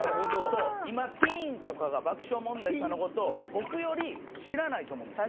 そう今ティーンとかが爆笑問題さんの事を僕より知らないと思うんですよ。